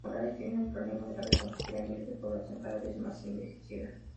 Morales tiene un problema grave con su pirámide de población, cada vez más envejecida.